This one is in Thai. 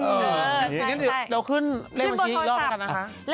อย่างนั้นเดี๋ยวขึ้นเลขบัญชีอีกรอบกันนะคะ